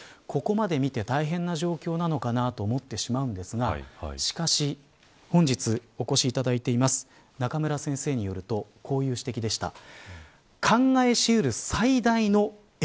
ここまで見て大変な状況なのかなと思ってしまうんですがしかし、本日お越しいただいています中村先生によるとこういう指摘でした。